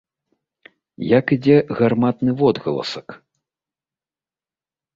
Як ідзе гарматны водгаласак?